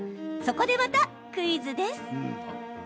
そこでまた、クイズです。